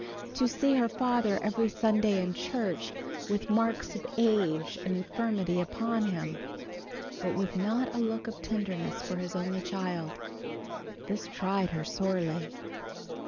To see her father every Sunday in church, with marks of age and infirmity upon him, but with not a look of tenderness for his only child, this tried her sorely.